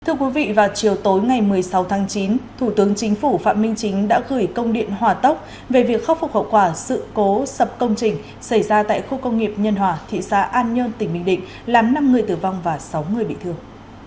thưa quý vị vào chiều tối ngày một mươi sáu tháng chín thủ tướng chính phủ phạm minh chính đã gửi công điện hòa tốc về việc khắc phục hậu quả sự cố sập công trình xảy ra tại khu công nghiệp nhân hòa thị xã an nhơn tỉnh bình định làm năm người tử vong và sáu người bị thương